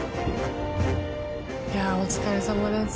いやあお疲れさまです。